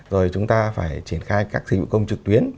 rồi chúng ta phải triển khai các dịch vụ công trực tuyến